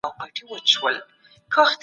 د الله تعالی په مرسته به موږ بریالي سو.